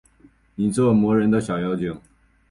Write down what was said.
你这磨人的小妖精